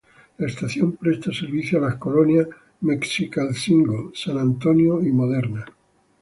La estación presta servicio a las colonias Mexicaltzingo, San Antonio y Moderna.